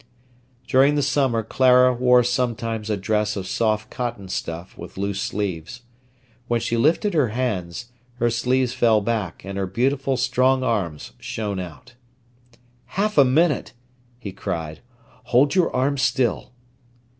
During the summer Clara wore sometimes a dress of soft cotton stuff with loose sleeves. When she lifted her hands, her sleeves fell back, and her beautiful strong arms shone out. "Half a minute," he cried. "Hold your arm still."